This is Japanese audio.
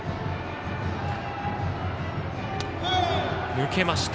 抜けました。